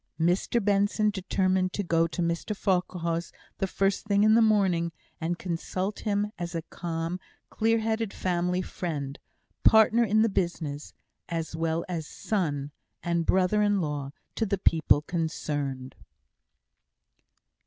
Mr Benson determined to go to Mr Farquhar's the first thing in the morning, and consult him as a calm, clear headed family friend partner in the business, as well as son and brother in law to the people concerned.